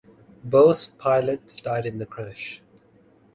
Both pilots died in the crash.